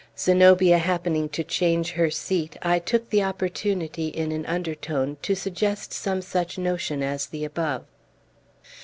Zenobia happening to change her seat, I took the opportunity, in an undertone, to suggest some such notion as the above.